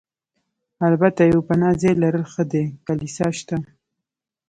البته یو پناه ځای لرل ښه دي، کلیسا شته.